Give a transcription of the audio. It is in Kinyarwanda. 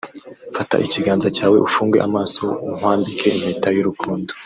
”Fata ikiganza cyawe ufunge amaso nkwambike impeta y’urukundo